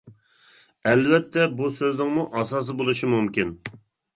ئەلۋەتتە بۇ سۆزنىڭمۇ ئاساسى بولۇشى مۇمكىن.